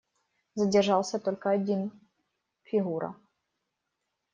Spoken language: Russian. Задержался только один Фигура.